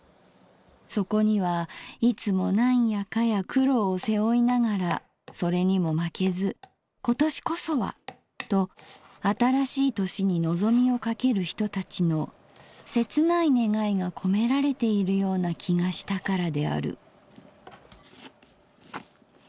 そこにはいつも何やかや苦労を背負いながらそれにも負けず今年こそはと新しい年にのぞみをかける人たちの切ない願いがこめられているような気がしたからである」。